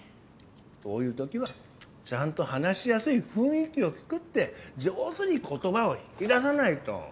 こういう時はちゃんと話しやすい雰囲気を作って上手に言葉を引き出さないと。